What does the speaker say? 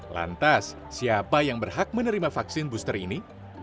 lantas siapa yang berhak menerima vaksin booster ini